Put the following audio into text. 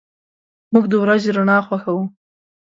موږ د ورځې رڼا خوښو.